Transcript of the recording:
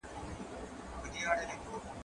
زه به سبا شګه پاکوم؟!